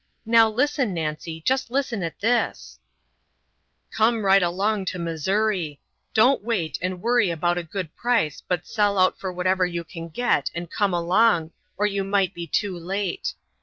Now listen, Nancy just listen at this: "'Come right along to Missouri! Don't wait and worry about a good price but sell out for whatever you can get, and come along, or you might be too late.